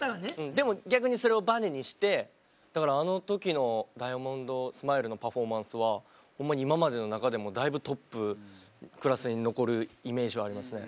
でも逆にそれをバネにしてあの時の「ダイヤモンドスマイル」のパフォーマンスはほんまに今までの中でもだいぶトップクラスに残るイメージはありますね。